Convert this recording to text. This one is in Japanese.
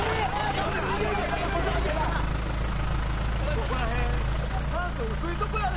ここら辺、酸素薄いとこやで。